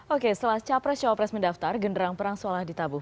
oke setelah capres cawapres mendaftar genderang perang seolah ditabuh